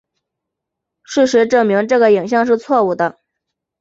事实证明这个影像是错误的。